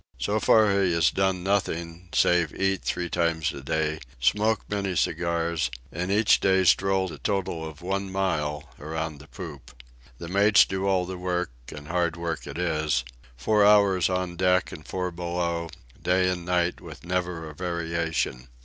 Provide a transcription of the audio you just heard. So far he has done nothing, save eat three times a day, smoke many cigars, and each day stroll a total of one mile around the poop. The mates do all the work, and hard work it is, four hours on deck and four below, day and night with never a variation.